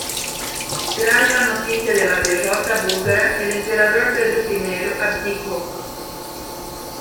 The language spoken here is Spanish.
Tras la noticia de la derrota búlgara el emperador Pedro I abdicó.